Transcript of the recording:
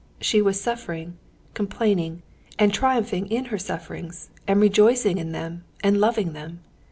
She was suffering, complaining, and triumphing in her sufferings, and rejoicing in them, and loving them.